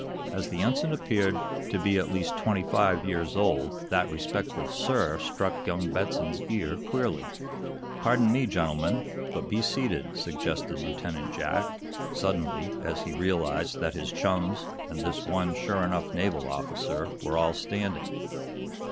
As the Ensign appeared to be at least twenty five years old that respectful "sir" struck young Benson's ear queerly. "Pardon me, gentlemen, but be seated," suggested Lieutenant Jack, suddenly, as he realized that his chums and this one sure enough naval officer were all standing.